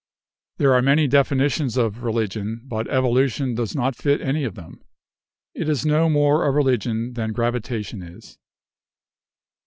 There are many definitions of religion, but evolution does not fit any of them. It is no more a religion than gravitation is.